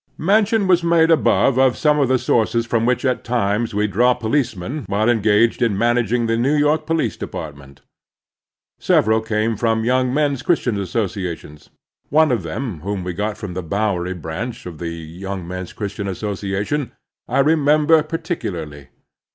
Mention was made above of some of the sotux^es from which at times we drew policemen while engaged in managing the New York Police Depart ment. Several came from Yotmg Men's Christian zoo The Strenuous Life Associations. One of them whom we got from the Bowery Branch of the Yoimg Men's Christian Association I remember particularly.